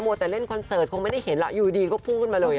โหมแต่เล่นคอนเสิร์ตคงไม่ได้เห็นอยู่ดีก็พูดมาเลยอะ